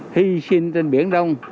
hi sinh trên biển đông